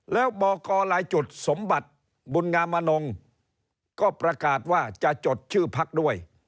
แล้วบอกกรลายจุดสมบัติบุญงามนงก็ประกาศว่าจะจดชื่อพักด้วย